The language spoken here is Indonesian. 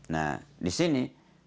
nah di sini